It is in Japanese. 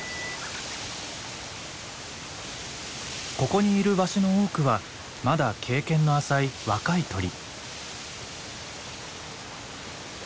ここにいるワシの多くはまだ経験の浅い若い鳥。